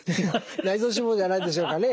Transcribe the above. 内臓脂肪じゃないでしょうかね。